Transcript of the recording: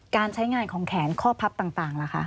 การใช้งานของแขนข้อพับต่างล่ะคะ